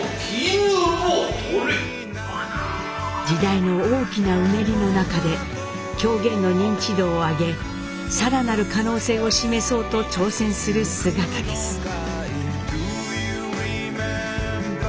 時代の大きなうねりの中で狂言の認知度をあげ更なる可能性を示そうと挑戦する姿です。